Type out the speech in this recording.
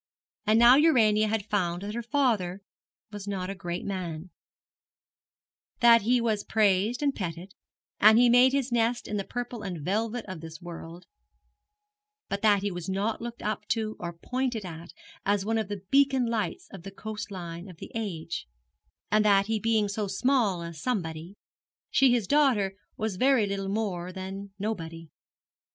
And now Urania had found that her father was not a great man that he was praised and petted, and had made his nest in the purple and velvet of this world, but that he was not looked up to or pointed at as one of the beacon lights on the coast line of the age and that he being so small a Somebody, she his daughter was very little more than Nobody.